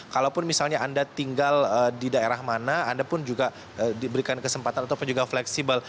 kalaupun misalnya anda tinggal di daerah mana anda pun juga diberikan kesempatan ataupun juga fleksibel